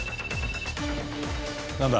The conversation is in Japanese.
☎何だ？